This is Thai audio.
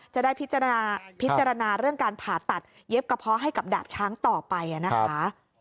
จะได้พิจารณาพิจารณาเรื่องการผ่าตัดเย็บกระเพาะให้กับดาบช้างต่อไปนะคะ